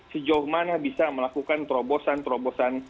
sejauh mana bisa melakukan terobosan terobosan